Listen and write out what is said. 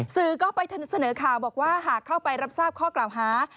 สื่อก็ไปเสนอข่าวบอกว่าหากเข้าไปรับทราบข้อกล่าวหา